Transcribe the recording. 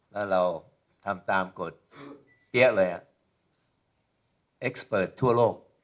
ว่าเราทำตามกฎเกี้ยกเลยอ่ะไอคสเปิร์ตทั่วโลก